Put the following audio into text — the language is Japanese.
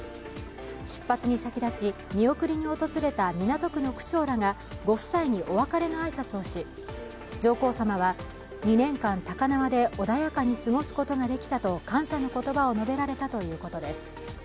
出発に先立ち、見送りに訪れた港区の区長らがご夫妻にお別れの挨拶をし、上皇さまは、２年間高輪で穏やかに過ごすことができたと感謝のことばを述べられたということです。